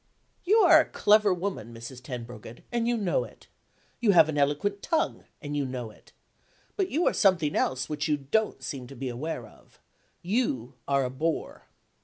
"You are a clever woman, Mrs. Tenbruggen and you know it. You have an eloquent tongue, and you know it. But you are something else, which you don't seem to be aware of. You are a Bore."